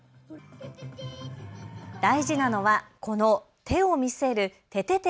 大事なのはこの手を見せるててて！